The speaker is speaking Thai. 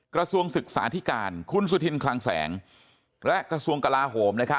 กระทรวงศึกษาธิการคุณสุธินคลังแสงและกระทรวงกลาโหม